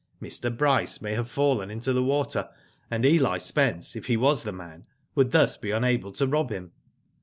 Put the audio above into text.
Mr. Bryce may have fallen into the water and Eli Spence, if he was the man, would thus be unable to rob him.